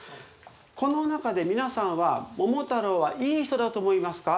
この中で皆さんは桃太郎はいい人だと思いますか？